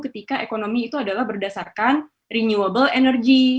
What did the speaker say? ketika ekonomi itu adalah berdasarkan renewable energy